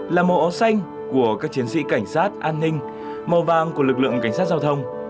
là màu áo xanh của các chiến sĩ cảnh sát an ninh màu vàng của lực lượng cảnh sát giao thông